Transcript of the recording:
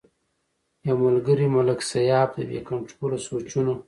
يو ملکري ملک سياف د بې کنټروله سوچونو